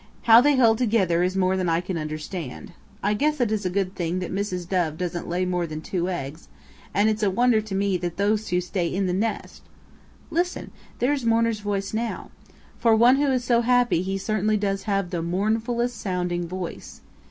How they hold together is more than I can understand. I guess it is a good thing that Mrs. Dove doesn't lay more than two eggs, and it's a wonder to me that those two stay in the nest. Listen! There's Mourner's voice now. For one who is so happy he certainly does have the mournfullest sounding voice.